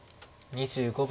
２５秒。